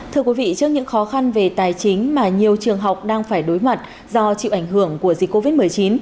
trước những khó khăn về tài chính mà nhiều trường học đang phải đối mặt do chịu ảnh hưởng của dịch covid một mươi chín